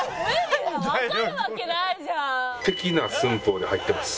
完璧な寸法で入ってます。